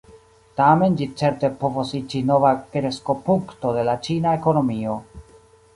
Tamen, ĝi certe povos iĝi nova kreskopunkto de la ĉina ekonomio.